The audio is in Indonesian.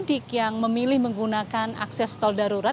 dan juga para pemudik yang memilih menggunakan akses tol darurat